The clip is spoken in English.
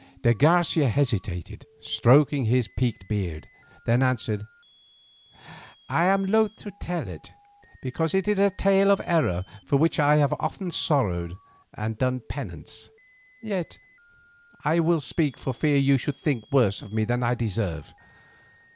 De Garcia hesitated, stroking his peaked beard, then answered: "I am loth to tell it because it is a tale of error for which I have often sorrowed and done penance. Yet I will speak for fear you should think worse of me than I deserve.